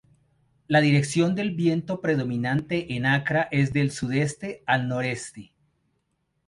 La dirección del viento predominante en Acra es del sudeste al noreste.